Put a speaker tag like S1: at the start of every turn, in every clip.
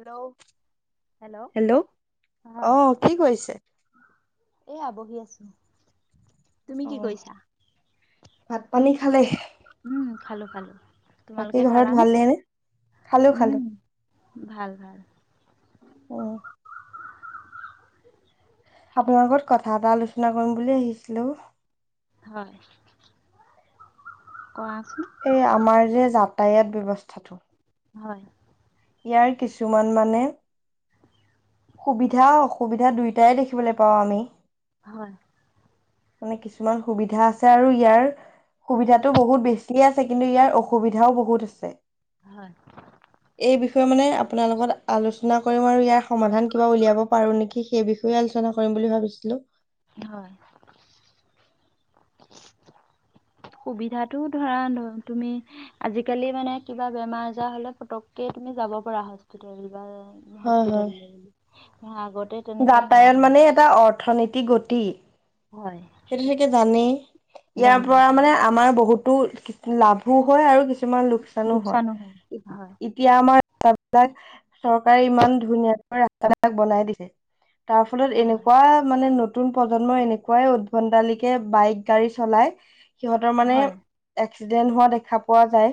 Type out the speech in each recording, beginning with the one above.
S1: Hello, hello,
S2: হয়।
S1: অ', কি কৰিছে।
S2: এয়া বহি আছো। তুমি
S1: অ
S2: কি কৰিছা?
S1: ভাত পানী খালে
S2: উম, খালো-খালো।
S1: বাকী ঘৰত ভালেইনে?
S2: উম, ভাল-ভাল।
S1: উম আপোনাৰ লগত কথা এটা আলোচনা কৰিম বুলি আহিছিলো।
S2: হয়। কোৱাচ
S1: এই, আমাৰ যে যাতায়াত ব্যৱস্থাটো।
S2: হয়।
S1: ইয়াৰ কিছুমান মানে সুবিধা অসুবিধা দুয়োটাই দেখিবলে পাওঁ আমি।
S2: হয়।
S1: মানে কিছুমান সুবিধা আছে আৰু ইয়াৰ সুবিধাটো বহুত বেছিয়ে আছে কিন্তু ইয়াৰ অসুবিধাও বহুত আছে।
S2: হয়।
S1: এই বিষয়ে মানে আপোনালগত আলোচনা কৰিম আৰু ইয়াৰ সমাধান কিবা উলিয়াব পাৰো নেকি, সেই বিষয়ে আলোচনা কৰিম বুলি ভাবিছিলো।
S2: হয়।
S1: [inaudible]
S2: সুবিধাটো ধৰা ধৰ তুমি আজিকালি মানে কিবা বেমাৰ আজাৰ হলে পতককে তুমি যাব পাৰা হস্পিটেল বা
S1: হয় হয়
S2: হস্পিটেল
S1: যাতায়ত মানে এটা অৰ্থনীতি গতি।
S2: হয়
S1: সেইটো থাকে জানেই, ইয়াৰ
S2: জানো
S1: পৰা মানে আমাৰ বহুত লাভো হয় আৰু কিছুমান লোকচানো হয়,
S2: হয়
S1: এতিয়া আমাৰ ৰাস্তাবিলাক চৰকাৰে ইমান ধুনীয়াকৈ ৰাস্তাবিলাক বনাই দিছে। তাৰ ফলত
S2: হয়
S1: এনেকুৱা মানে নতুন প্ৰজন্ম এনেকুৱাই ভণ্ডালিকে বাইক গাড়ী চলাই সিহঁতৰ মানে
S2: হয়
S1: এক্সিডেণ্ট হোৱা দেখা পোৱা যায়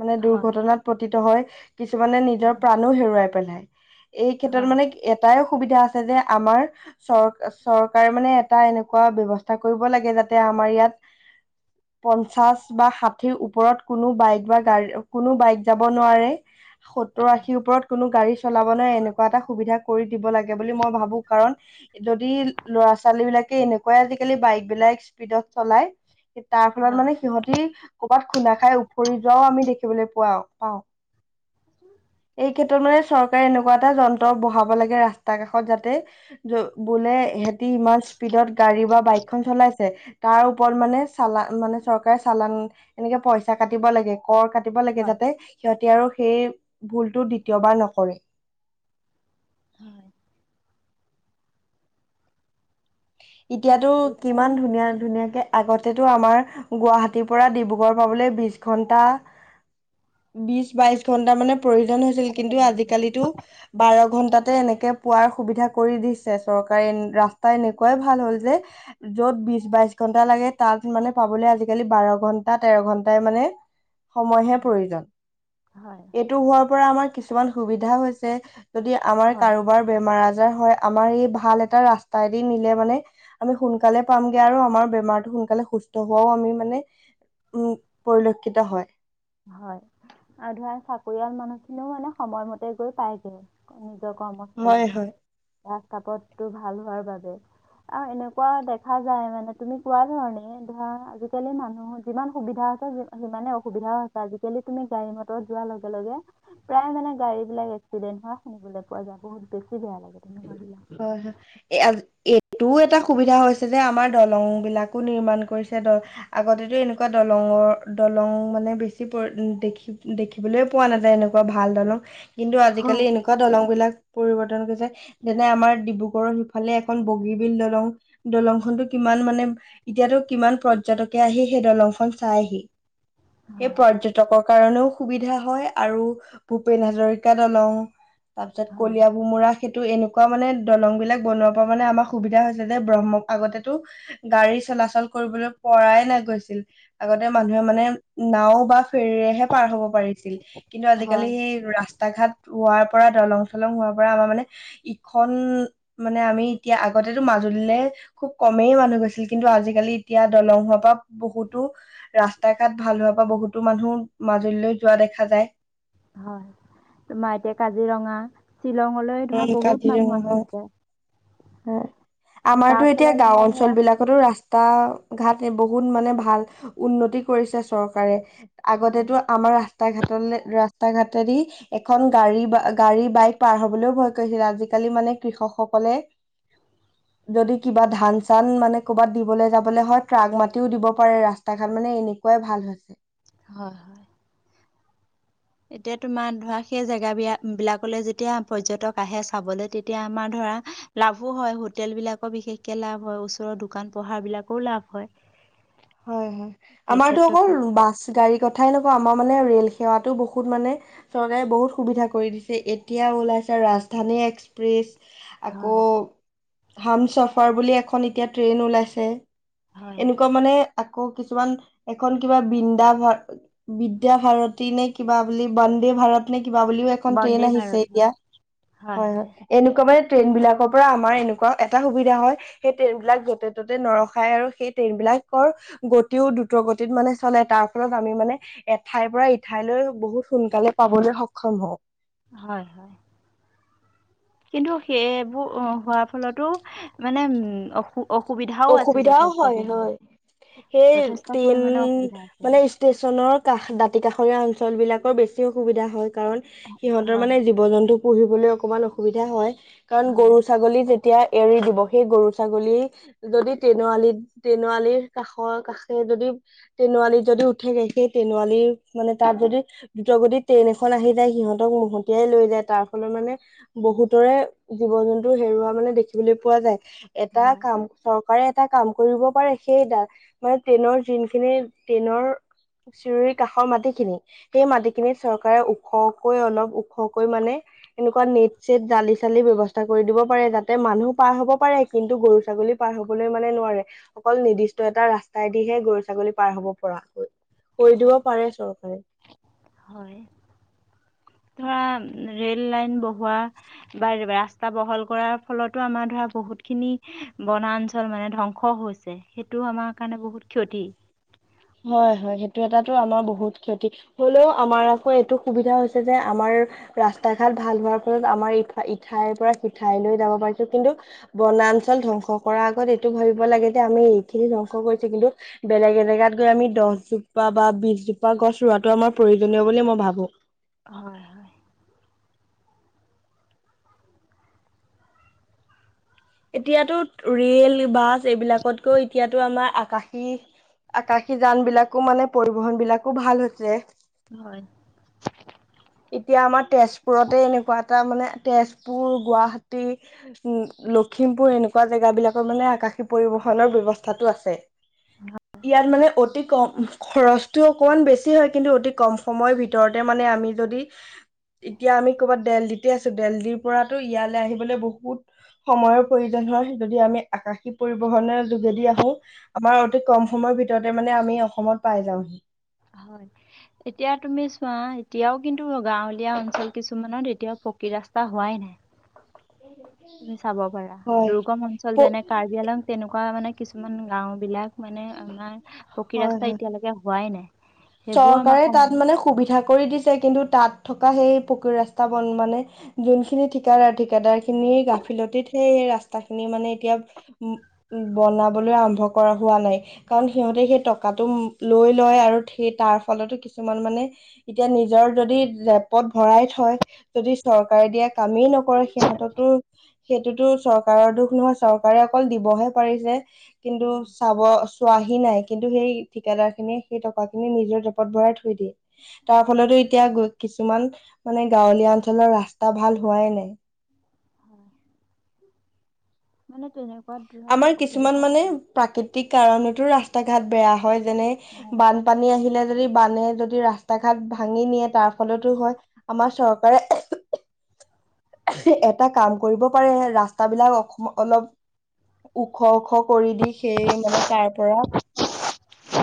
S1: মানে
S2: হয় হয়
S1: দুৰ্ঘটনাত পতিত হয়। কিছুমানে নিজৰ
S2: হয়
S1: প্ৰাণো হেৰুৱাই পেলাই, এই ক্ষেত্ৰত
S2: হয়
S1: মানে এটাই সুবিধা আছে যে আমাৰ চৰ চৰকাৰে মানে এটা এনেকুৱা এনেকুৱা ব্যবস্থা কৰিব লাগে যাতে আমাৰ ইয়াত পঞ্চাশ বা ষাঠিৰ ওপৰত কোনো বাইক বা গাড়ী কোনো বাইক যাব নোৱাৰে, সত্তৰ আশীৰ ওপৰত কোনো গাড়ী চলাব নোৱাৰে এনেকুৱা এটা সুবিধা কৰি দিব লাগে, বুলি মই ভাবো কাৰণ, যদি ল'ৰা ছোৱালী বিলাকে এনেকুৱা হয় আজিকালি বাইক বিলাক এনেকুৱা স্পীদত চলাই তাৰ ফলত
S2: হয়
S1: মানে সিহতি কৰবাত খুন্দা খাই উওফৰি যোৱাও আমি দেখিবলৈ পোৱা পাওঁ। এই ক্ষেত্ৰত মানে চৰকাৰে এনেকুৱা এটা যন্ত্ৰ বহাব লাগে ৰাস্তা কাষত যাতে বোলে সতি ইমান স্পীডত গাড়ী বা বাইকখন চলাইছে তাৰ ওপৰত মানে চালান মানে চৰকাৰে চালান, এনেকে পইচা কাটিব লাগে কৰ কাটিব লাগে
S2: হয়
S1: যাতে সিহঁতি আৰু সেই ভুলটো দ্বিতীয়বাৰ নকৰে।
S2: হয় [unintelligible]
S1: এতিয়াতো
S2: এতিয়া মানে
S1: কিমান ধুনীয়া ধুনীয়াকে আগতেতো আমাৰ গুৱাহাটীৰ পৰা ডিব্ৰুগড় পাবলৈ বিশ ঘন্টা বিশ বাইশ ঘন্টা মানে প্ৰয়োজন হৈছিল,
S2: কাটি
S1: কিন্তু
S2: পেলাব লাগে
S1: আজিকালিতো বাৰ ঘন্টাত ততে এনেকে পোৱাৰ সুবিধা কৰি দিছে চৰকাৰে ৰাস্তাই ভাল হ'ল যে য'ত বিশ, বাইশ ঘন্টা লাগে তাত মানে পাবলৈ আজিকালি বাৰ ঘন্টা তেৰ ঘণ্টাই মানে সময়হে
S2: হয়
S1: প্ৰয়োজন
S2: হয়
S1: এইটো হোৱাৰ পৰা আমাৰ কিছুমান সুবিধা হৈছে। যদি আমাৰ
S2: হয়
S1: কাৰোবাৰ বেমাৰ আজাৰ হয় আমাৰ এই ভাল এটা ৰাস্তাই নিলে মানে আমি সোনকালে পামগে আৰু আমাৰ বেমাৰটো সোনকালে সুস্থ হোৱাও আমি মানে উম, পৰিলক্ষিত হয়।
S2: হয় আৰু ধৰা চাকৰিয়াল মানুহ খিনিও মানে সময়মতে গৈ পায়গৈ।
S1: হয়
S2: কৰ্মস্থলিলৈ
S1: হয়
S2: ৰাস্তাপথটো ভাল হোৱাৰ বাবে। আৰু এনেকুৱা দেখা যায়। মানে তুমি কোৱা ধৰণে ধৰা আজিকালি মানুহ যিমান সুবিধা সিমানে অসুবিধাও আছে। আজিকালি তুমি গাড়ী মটৰত যোৱাৰ লগে, লগে, প্ৰায় মানে গাড়ী বিলাক এক্সিডেন্ট হোৱা শুনিবলৈ পোৱা যায়। বহুত বেছি। বেয়া লাগে তেনেকুৱাবিলাক
S1: হয়, হয়, এ। এইটোও এটা সুবিধা হৈছে যে আমাৰ দলং বিলাকো নিৰ্মাণ কৰিছে, দল আগতেতো এনেকুৱা দলং দলঙৰ দলং মানে বেছি দেখি দেখিবলৈ পোৱা নাযায়। এনেকুৱা ভাল দলং। কিন্তু আজিকালি
S2: হয়
S1: এনেকুৱা দলং বিলাক পৰিৱৰ্তন হৈছে। যেনে আমাৰ ডিব্ৰুগড়ৰ সিফালে এখন বগীবল দলং, দলংখনতো কিমান মানে এতিয়াতো কিমান পৰ্যটকে আহি সেই দলংখন চাইহি সেই
S2: হয়
S1: পৰ্যটকক কাৰণেও সুবিধা হয়, আৰু ভূপেন হাজৰিক দলং তাৰ পিছত
S2: হয়
S1: কলিয়াভোমোৰা সেইটো এনেকুৱা মানে দলং বিলাক বনোৱাৰ পৰা মানে আমাক সুবিধা হৈছে যে ব্ৰহ্ম আগতেতো গাড়ী চলাচল কৰিবলৈ পৰাই না গৈছিল। আগতে মানুহে মানে নাও বা ফেৰিৰেহে পাৰ হ'ব পাৰিছিল। কিন্তু আজি কালি
S2: হয়
S1: সি ত্তা ঘাত হোৱাৰ পৰা দলং, চলং হোৱাৰ পৰা আমাৰ মানে ইখন মানে আমি এতিয়া আগতেতো মাজুলীলৈ খুব কমেই মানুহ গৈছে। ছিল কিন্তু আজিকালি এতিয়া দলং হোৱাৰ পৰা বহুতো ৰাস্তা, ঘাট ভাল হোৱাৰ পৰা বহুতো মানুহ মাজুলীলৈ যোৱা দেখা যায়। তাই
S2: হয় তোমাৰ এতিয়া কাজিৰঙা শ্বিলঙলৈ
S1: উম
S2: ধৰা বহুত
S1: কাজিৰঙা
S2: মানুহ আহি
S1: হয়
S2: থাকে।
S1: হয়,
S2: তাৰ
S1: আমাৰতো এতিয়া
S2: ফলত
S1: গাও
S2: আমাৰ
S1: অঞ্চল
S2: ধৰা
S1: বিলাকতো ৰাস্ত তটা ঘাট বহুত মানে ভাল উন্নতি কৰিছে চৰকাৰে। আগতেতো
S2: হয়
S1: আমাৰ ৰাস্তা, ঘাট, ৰাস্তা, ঘাটেদি এখন গাড়ী, গাড়ী বাইক পাৰ হবলৈও ভয় কৰিছিল আজিকালি মানে কৃষকসকলে যদি কিবা ধান চান মানে কৰ'বাত দিবলৈ যাবলৈ হয় ট্ৰাক মাতিও দিব পাৰে ৰাস্তা ঘাত মানে এনে এনেকুৱাই ভাল হৈছে।
S2: হয়, হয়। এতিয়া তোমাৰ ধৰা সেই জেগা বি বিলাকলৈ যেতিয়া পৰ্যটক আহে চাবলৈ তেতিয়া আমাৰ ধৰা ধ, লাভো হয়। হোটেল বিলাকৰ বিশেষকে লাভ হয়। ওচৰৰ দোকান পোহাৰ বিলাকও লাভ হয়।
S1: হয়, হয়,
S2: সেই
S1: আমাৰতো অকল
S2: ক্ষেত্ৰতো
S1: বাছ গাড়ী কথা কথাই নকওঁ আমাৰ মানে ৰেলেৱাতো বহুত মানে চৰকাৰে বহুত সুবিধা কৰি দিছে। এতিয়া ওল ৰাজধানী এক্সপ্ৰেছ আকৌ
S2: হয়
S1: হাম চফাৰ বুলি এখন এতিয়া ট্ৰেইন ওলাইছে।
S2: হয়
S1: এনেকুৱা মানে আকৌ কিছুমান এখন কিবা বৃন্দা ভাৰ বিদ্যা ভাৰতী নে কিবা বুলি ব ভাৰত নে, কি'বা বুলি এ, ট্ৰেইন
S2: বন্দে
S1: আহিছে
S2: ভাৰত
S1: এতিয়া
S2: হয়
S1: হয়, হয়, এনে ট্ৰেইন বিলাকৰ পৰা আমাৰ এনেকুৱা এটা সুবিধা হয়। সেই ট্ৰেইন বিলাক যতে ত'তে নৰখাই আৰু সেই ট্ৰেইন বিলাক। গতিও দ্ৰুত গতিত মানে চলে। তাৰ ফলত আমি মানে এঠাইৰ পৰা ইঠাইলৈ বহুত সোনকালে পাবলৈ সক্ষম হওঁক।
S2: হয়, হয়। কিন্তু সেইবোৰ হোৱাৰ ফলতো মানে উম, অসু অসুবিধাও আছে
S1: অসুবিধাও
S2: যথেষ্ট
S1: হয়
S2: খিনি।
S1: হয় সেই ট্ৰেইন মানে ষ্টেচনৰ কাষ [unintelligible] কাষৰীয়া অঞ্চল বিলাকৰ বেছি অসুবিধা হয়, কাৰণ সিহঁতৰ
S2: হয়
S1: মানে জীৱ জন্তু পুহিবলৈ অকণমান অসুবিধা হয়, কাৰণ
S2: হয়
S1: গৰু ছাগলী যে তিয়া এৰি দিব সেই গৰু ছাগলীৰ যদি তেনুৱালী তেনুৱালীৰ কাষৰ কাষে যদি তেনুৱালীত যদি উঠেগে সেই [unintelligible] মানে তাত যদি দ্ৰুতগতি ট্ৰেইন এখন আহি যায় সিহঁতক মতিয়াই লৈ যায় তাৰ ফলত মান মানে বহুতৰে জীৱ জন্তু হেৰুৱা মানে দেখিবলৈ পোৱা যায়, এটা
S2: হয়
S1: কাম চৰকাৰে এটা কাম কৰিব পাৰে সেই মানে ট্ৰেইনৰ যোনখিনি ট্ৰেইনৰ চিঞৰিৰ কাষৰ মাটিখিনি সেই মাটিখিনিত চৰকাৰে ওখকৈ অলপ ওখকৈ মানে এনেকুৱা নেট চেট জালি চালি ব্য্ৱস্থা কৰি দিব পাৰে যাতে মানুহ পাৰ হব পাৰে কিন্তু গৰু ছাগলী পাৰ হ'বলৈ মানে নোৱাৰে অকল নিৰ্দিষ্ট এটা ৰাস্তাইদিহে গৰু ছাগলী পাৰ হ'ব পৰাকৈ। কৰি দিব
S2: হয়
S1: পাৰে চৰকাৰে।
S2: হয় ধৰা ৰে'ল লাইন বহোৱা বা ৰাস্তা বহল কৰাৰ ফলতো আমাৰ ধৰা বহুত বহুত খিনি বনাঞ্চল মানে ধ্বংস হৈছে সেইটোও আমাৰ কাৰণে বহুত ক্ষতি।
S1: হয় হয় সেইটো এটাাতো আমাৰ বহুত ক্ষতি, হলেও আমাৰ আকৌ এইটো সুবিধা হৈছে যে আমাৰ ৰাস্তা ঘাট ভাল হোৱাৰ ফত আমাৰ ইঠাইৰ পৰা সিঠাইলৈ যাব পাৰিছো কিন্তু বনা অঞ্চল ধ্বংস কৰাৰ আগত এইটো ভাবিব লাগে যে আমি এইখিনি ধ্বংস কৰিছো কিন্তু বেলেগ এজেগাত আমি দহজোপা বা বিশজোপা গছ ৰোৱটো আমাৰ প্ৰয়োজনীয় বুলি মই ভাবো।
S2: হয়, হয়।
S1: এতিয়াতো ৰেল বাছ এইবিলাকতকৈও এতিয়াতো আমাৰ আকাশী আকাশী যান বিলাকো মানে পৰিবহন বিলাকো ভাল হৈছে।
S2: হয়।
S1: [inaudible] এতিয়া আমাৰ তেজপুৰতে এনেকুৱা এটা মানে তেজপুৰ গুৱাহাটী উ লক লক্ষ্মীমপুৰ এনেকুৱা জেগাবিলাকত মানে আকাশী পৰিবহনৰ ব্যৱস্থাটো আছে। ইয়াত মানে অতি কম খৰচটো অকমান বেছি হয় কিন্তু অতি কম সময়ৰ ভিতৰতে মানে [unintelligible] আমি যদি এতিয়া আমি কবাত দেল্লিতে আছো দেল্লিৰ পৰাতো ইয়ালৈ আহিবলৈ বহুত সময়ৰ প্ৰয়োজন হয় যদি আমি আকাশী পৰিবহনেৰ যোগেদি আহো আমাৰ অতি কম সময়ৰ ভিত [unintelligible] মানে আমি অসমত পাই যাওঁ হি।
S2: হয়। এতিয়া তুমি চোৱা এতিয়াও কিন্তু গাঁৱলীয়া অঞ্চল কিছুমানত এতিয়াও পকি ৰাস্তা হোৱাই নাই। তুমি চাব পাৰা
S1: হয়
S2: দুৰ্গম
S1: প
S2: অঞ্চল যেনে, কাৰ্বি আলং তেনেকুৱা মানে কিছুমান গাঁও বিলাক মানে আমাৰ পকী
S1: হয়
S2: ৰাস্তা
S1: হয়
S2: এতিয়ালৈকে হোৱাই নাই। সেইবোৰ আমাৰ
S1: চৰকাৰে
S2: সম
S1: তাত মানে সুবিধা কৰি দিছে, কিন্তু তাত থকা সেই পকী ৰাস্তা বন মানে যোনখিনি ঠিকাদাৰ, ঠিকাদাৰ খিনি হেই গাফিলতিত হে এই ৰাস্তা খিনি মানে এতিয়া উ, বনাবলৈ আৰম্ভ কৰা হোৱা নাই। পাৰে, কাৰণ সিহঁতে সেই টকাটো লৈ লয় আৰু সেই তাৰ ফলতো কিছুমান মানে এতিয়া নিজৰ যদি জেপটত ভৰাই থয় যদি চৰ চৰকাৰে দিয়া কামেই নকৰে সিহঁতেটো সেইটোতো চৰকাৰৰ দুখ নহয় চৰকাৰে অকল দিব হে [unintelligible] পাৰিছে কিন্তু
S2: হয়
S1: চাব চোৱাহি নাই। কিন্তু সেই থিকাদাৰ খিনিয়ে সেই টকা খিনি নিজৰ জেপত ভৰাই থৈ দিয়ে। তাৰ ফলতো এতিয়া কিছুমান মানে গাঁৱলীয়া অঞ্চলৰ ৰাস্তা ভাল হোৱাই নাই।
S2: হয়। মানে তেনেক
S1: আমাৰ কিছুমান মানে প্ৰাকৃতিক কাৰণতো ৰাস্তা ঘাট বেয়া হয় যেনে
S2: হয়
S1: বানপানী আহিলে যদি বানে যদি ৰাস্তা ঘাট ভাঙি নিয়ে তাৰ ফলতো হয়, আমাৰ চৰকাৰে [inaudible] এটা কাম কৰিব পাৰে ৰাস্তাবিলাক অলপ ওখ - ওখ কৰি দি সেই মানে তাৰ পৰা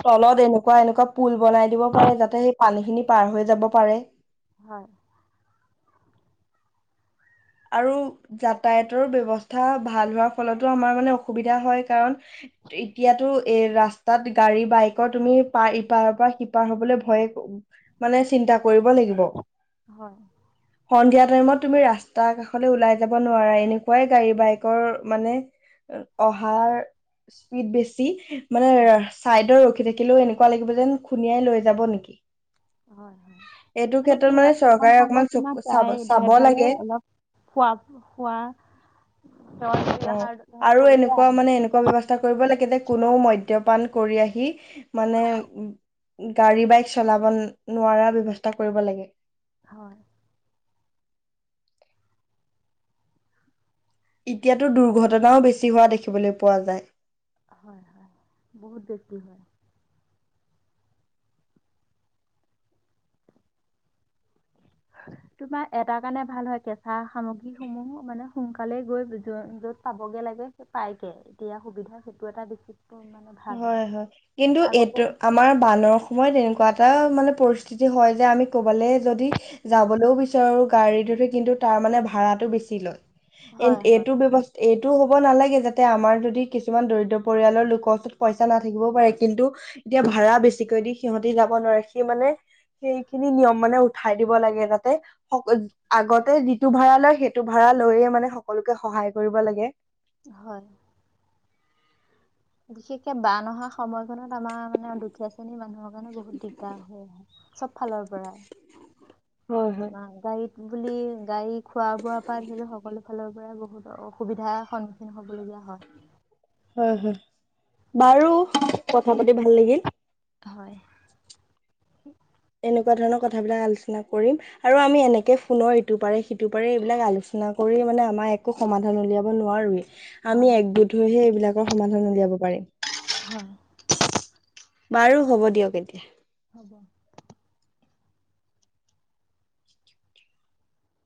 S1: তলত এনেকুৱা এনেকুৱা পুল বনাই দিব পাৰে যাতে সেই পানী খিনি পাৰ হৈ যাব পাৰে।
S2: হয়।
S1: আৰু যাতায়াতৰ ব্যৱস্থা ভাল হোৱাৰ ফলতো আমাৰ মানে অসুবিধা হয় কাৰণ এতিয়াতো, এ, ৰাস্তাত গাড়ী বাইকৰ তুমি পাৰ ইপাৰৰ পৰা সিপাৰ হবলৈ ভয়ে উ, মানে চিন্তা কৰিব লাগিব।
S2: হয়।
S1: সন্ধিয়া টাইমত তুমি ৰাস্তাৰ কাষলৈ ওলাই যাব নোৱাৰা এনেকুৱাই গাড়ী বাইকৰ মানে অহাৰ স্পীড বেছি মানে
S2: হয়
S1: চাইড ৰখি থাকিলেও এনেকুৱা লাগিব যেন খুনিয়াই লৈ যাব নেকি
S2: হয়, হয়,
S1: এইটো
S2: মানে
S1: ক্ষেত্ৰত
S2: কি হয়, সেইখন
S1: চৰকাৰে অকমান
S2: সময়ত তোমাক
S1: চকু চাব
S2: প্ৰায়
S1: চাব
S2: ড্ৰাইভাৰে
S1: লাগে
S2: অলপ খোৱা, খোৱা সেৱন কৰি
S1: অ',
S2: অহাৰ
S1: আৰু
S2: কৰিয়ে
S1: এনেকুৱা
S2: আহে
S1: মানে, এনেকুৱা ব্যৱস্থা কৰিব লাগে যে কোনেও মদ - মদ্যপান কৰি আহি মানে - গাড়ী বাইক চলাব নোৱাৰা ব্যৱস্থা কৰিব লাগে।
S2: হয়।
S1: এতিয়াতো দুৰ্ঘটনাও বেছি হোৱা দেখিবলৈ পোৱা যায়।
S2: হয় - হয় বহুত দেছি হয়।
S1: [inaudible]
S2: তোমাৰ এটাৰ কাৰণে ভাল হয় কেঁচা সামগ্ৰীসমূহো মানে সোনকালে গৈ বিজয় য'ত পাব পাবগে লাগে সেই পাইগে, এতিয়া সুবিধা সেইটো এটা বেছিক -
S1: হয় -হয়, কিন্তু, এইটো আমাৰ বানৰ সময় এনেকুৱা এটা এটা মানে পৰিস্থিতি হয় যে আমি ক'বালে যদি যাবলৈও বিচাৰোঁ গাড়ীটোতে, কিন্তু তাৰ তাৰমানে ভাড়াতটো বেছি লয়। এন,
S2: হয় হয়
S1: এইটো ব্যৱস্থা, এইটো হ'ব নালাগে যাতে আমাৰ যদি কিছুমান দৰিদ্ৰ পৰিয়ালৰ লোকৰ ওচৰত পইচা নাথাকিবও পাৰে কিন্তু এতিয়া ভাড়া বেছিকৈ দি সিহঁতি যাব নোৱাৰে সি মানে সেইখিনি নিয়ম মানে উঠাই দিব লাগে, যাতে সকল, আগতে যিটো ভাড়া লয় সেইটো ভাড়া লৈয়ে মানে সকলোকে সহায় কৰিব লাগে।
S2: হয়। বিশেষকে বান অহা সময়কনত আমাৰ মানে দুখীয়া শ্ৰেণীৰ মানুহৰ কাৰণে বহুত দিগদাৰ হয়, চব ফালৰ পৰাই
S1: হয় হয়
S2: তোমাৰ গাড়ীত বুলি, গাড়ী খোৱা- বোৱাৰ পৰা ধৰি লও সকলো ফালৰ পৰা বহুত অসুবিধাৰ সন্মুখীন হ'বলগীয়া হয়।
S1: হয়- হয়, বাৰু কথা পাতি ভাল লাগিল
S2: হয়।
S1: এনেকুৱা ধৰণৰ কথাবিলাক আলোচনা কৰিম, আৰু আমি এনেকে ফোনৰ ইটো পাৰে সিটো পাৰে এইবিলাক আলোচনা না কৰি মানে, আমাৰ একো সমাধান উলিয়াব নোৱাৰোৱেই। আমি
S2: হয়
S1: একগোট হৈ হে এইবিলাকৰ সমাধান উলিয়াব পাৰিম।
S2: হয়।
S1: বাৰু, হ'ব দিয়ক এতিয়া।
S2: হ'ব।